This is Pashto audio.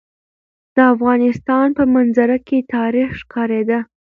د افغانستان په منظره کې تاریخ ښکاره ده.